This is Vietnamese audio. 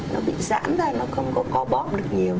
nó bị giãn ra nó không có có bóp được nhiều